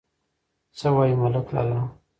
_څه وايې ملک لالا ؟